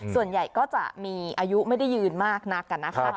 ส่วนใหญ่ก็จะมีอายุไม่ได้ยืนมากนักนะคะ